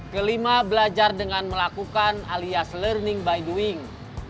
kelima belajar dengan melakukan alias learning by doing